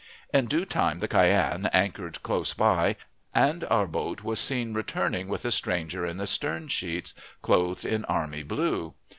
In due time the Cyane anchored close by, and our boat was seen returning with a stranger in the stern sheets, clothed in army blue.